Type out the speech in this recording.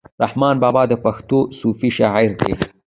رحمان بابا د پښتو صوفي شاعر دی.